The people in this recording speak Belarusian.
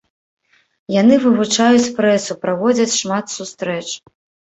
Яны вывучаюць прэсу, праводзяць шмат сустрэч.